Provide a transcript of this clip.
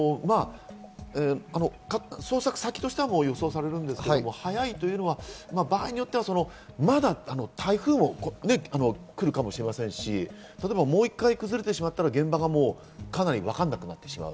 捜索先としては予想されるんですけど、早いというのは場合によってはまだ台風も来るかもしれませんし、例えば、もう１回崩れてしまったら現場がかなりわかんなくなってしまう。